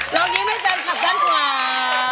เรายิ้มให้แฟนคลับด้านขวา